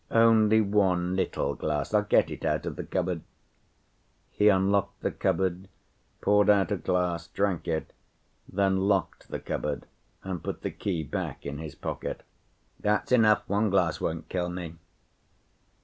Only one little glass. I'll get it out of the cupboard." He unlocked the cupboard, poured out a glass, drank it, then locked the cupboard and put the key back in his pocket. "That's enough. One glass won't kill me."